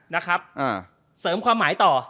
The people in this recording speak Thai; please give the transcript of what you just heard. นะครับเสริมความหมายต่อ